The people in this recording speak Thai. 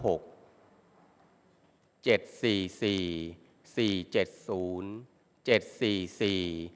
ออกรางวัลที่๕